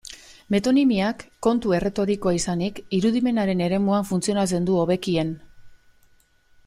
Metonimiak, kontu erretorikoa izanik, irudimenaren eremuan funtzionatzen du hobekien.